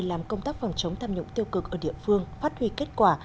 làm công tác phòng chống tham nhũng tiêu cực ở địa phương phát huy kết quả